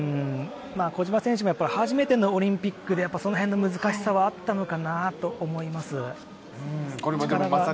小島選手も初めてのオリンピックでその辺の難しさはあったのかなと思います。